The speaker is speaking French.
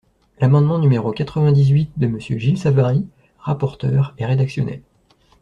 L’amendement numéro quatre-vingt-dix-huit de Monsieur Gilles Savary, rapporteur, est rédactionnel.